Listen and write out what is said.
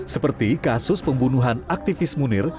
seperti kasus pembunuhan aktivis munir